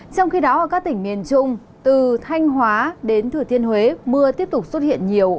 trong khi đó ở các tỉnh miền trung từ thanh hóa đến thừa thiên huế mưa tiếp tục xuất hiện nhiều